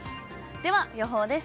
では、予報です。